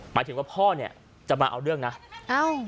หมายถึงว่าพ่อเนี่ยจะมาเอาเรื่องนะเอ้า